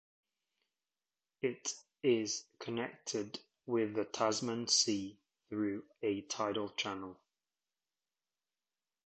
It is connected with the Tasman Sea through a tidal channel.